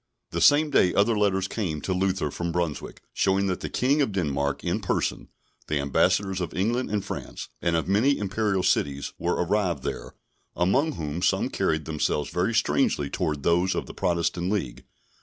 The same day other letters came to Luther from Brunswick, showing that the King of Denmark in person, the Ambassadors of England and France, and of many Imperial cities, were arrived there, among whom, some carried themselves very strangely towards those of the Protestant League.